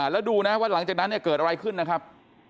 แล้วดูนะว่าหลังจากนั้นเนี่ยเกิดอะไรขึ้นนะครับ